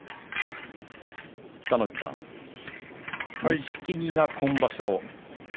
北の富士さん、錦木が今場所